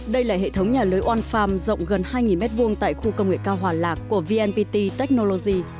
đây là hệ thống nhà lưới one farm rộng gần hai m hai tại khu công nghệ cao hòa lạc của vnpt technology